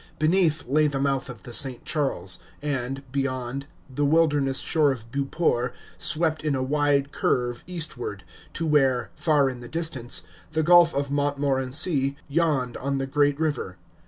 Beneath lay the mouth of the St. Charles; and, beyond, the wilderness shore of Beauport swept in a wide curve eastward, to where, far in the distance, the Gulf of Montmorenci yawned on the great river.